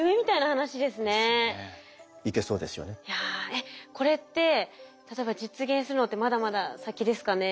えっこれって例えば実現するのってまだまだ先ですかね？